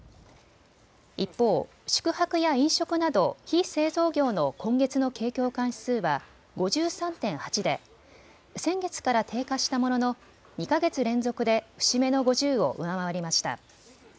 一方、宿泊や飲食など非製造業の今月の景況感指数は５３．８で先月から低下したものの２か月連続で節目の５０を上回りました。